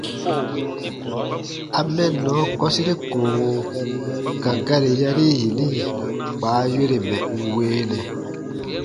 A « mɛnnɔ » kɔsire koowo ka gari yari yini kpa a yore mɛ̀ n weenɛ.